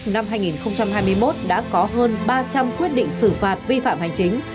năm hai nghìn hai mươi một đã có hơn ba trăm linh quyết định xử phạt vi phạm hành chính